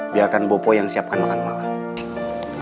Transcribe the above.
biarkan bopo yang siapkan makan malam